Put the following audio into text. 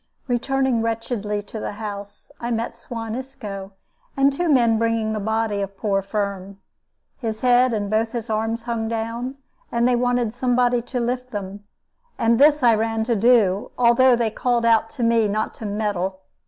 Returning wretchedly to the house, I met Suan Isco and two men bringing the body of poor Firm. His head and both his arms hung down, and they wanted somebody to lift them; and this I ran to do, although they called out to me not to meddle.